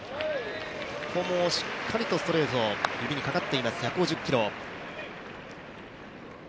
ここもしっかりとストレート、指にかかっています、１５０キロ。